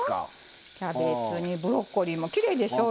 キャベツにブロッコリーもきれいでしょ？